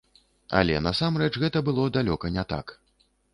Але насамрэч гэта было далёка не так.